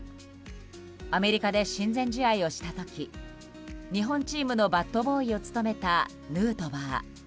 アメリカで親善試合をした時日本チームのバットボーイを務めたヌートバー。